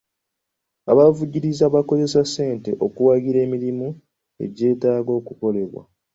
Abavvujjirizi bakozesa ssente okuwagira emirimu egyetaaga okukolebwa.